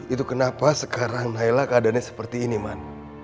itu kenapa sekarang naila keadaannya seperti ini man